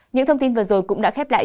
những thông tin vừa rồi cũng đã khép lại